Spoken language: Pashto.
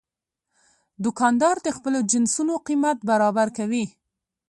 دوکاندار د خپلو جنسونو قیمت برابر کوي.